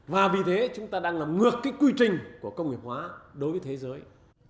và vì thế chúng ta đang làm ngược cái quy trình của công nghiệp hóa đối với thế giới